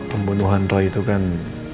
pembunuhan roy itu kan